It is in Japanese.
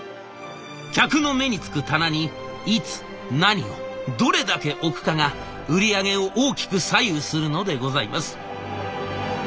客の目につく棚にいつ何をどれだけ置くかが売り上げを大きく左右するのでございます。